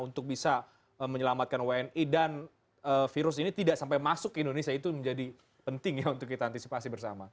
untuk bisa menyelamatkan wni dan virus ini tidak sampai masuk ke indonesia itu menjadi penting ya untuk kita antisipasi bersama